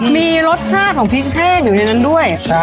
มีรสชาติของพริกแห้งอยู่ในนั้นด้วย